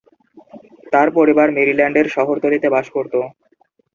তার পরিবার মেরিল্যান্ডের শহরতলিতে বাস করত।